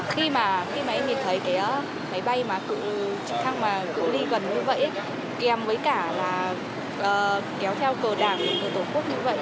khi mà mấy người thấy cái máy bay mà cựu trực thăng mà cựu ly gần như vậy kèm với cả là kéo theo cờ đảng của người tổ quốc như vậy